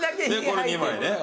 これ２枚ね。